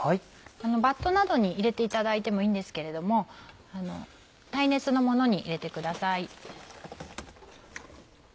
バットなどに入れていただいてもいいんですけれども耐熱のものに入れてください。